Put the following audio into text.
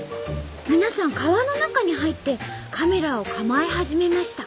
皆さん川の中に入ってカメラを構え始めました。